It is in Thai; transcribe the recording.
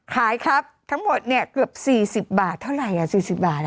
ขายครับทั้งหมดเนี่ยเกือบ๔๐บาทเท่าไหร่๔๐บาท